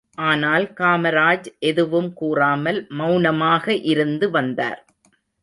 ஆனால் காமராஜ் எதுவும் கூறாமல் மெளனமாக இருந்து வந்தார்.